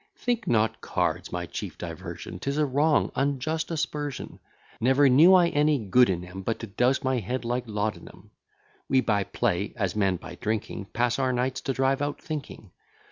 Think not cards my chief diversion: 'Tis a wrong, unjust aspersion: Never knew I any good in 'em, But to dose my head like laudanum. We, by play, as men, by drinking, Pass our nights to drive out thinking.